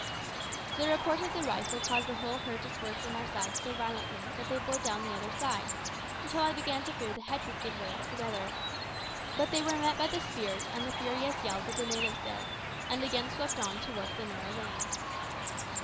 The report of the rifle caused the whole herd to swerve from our side so violently that they bore down the other side, until I began to fear the hedge would give way altogether; but they were met by the spears and the furious yells of the natives there, and again swept on towards the narrow lane.